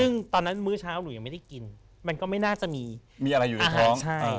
ซึ่งตอนนั้นมื้อเช้าหนูยังไม่ได้กินมันก็ไม่น่าจะมีอาหารใช่